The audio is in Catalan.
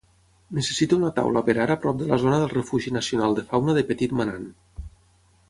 necessito una taula per ara prop de la zona del refugi nacional de fauna de Petit Manan